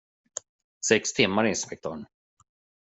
Sex timmar, inspektören.